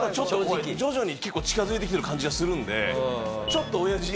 徐々に結構近づいてきてる感じがするんでちょっと親父。